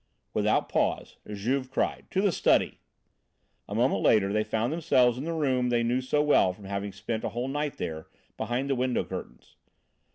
Without pause, Juve cried: "To the study!" A moment later they found themselves in the room they knew so well from having spent a whole night there, behind the window curtains.